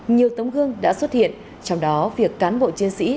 nhiều tấm gương đã xuất hiện trong đó việc cán bộ chiến sĩ